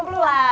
oke lah ya